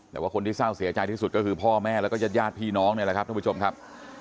แต่ว่าคนที่เศร้าเสียใจที่สุดก็คือพ่อแม่แล้วก็ญาติญาติพี่น้องนี่แหละครับท่านผู้ชมครับ